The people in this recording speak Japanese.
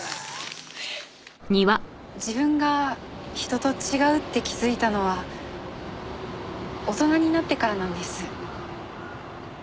自分が人と違うって気づいたのは大人になってからなんです。